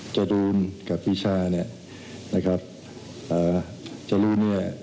จดูมกับพี่ชานะครับจะรู้เนี่ย